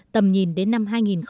tầm nhìn đến năm hai nghìn hai mươi năm